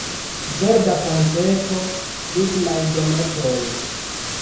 Verda ponteto, lignaj dometoj.